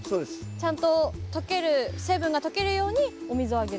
ちゃんと溶ける成分が溶けるようにお水をあげる。